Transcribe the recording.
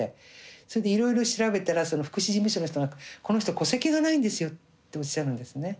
それでいろいろ調べたらその福祉事務所の人がこの人戸籍がないんですよっておっしゃるんですね。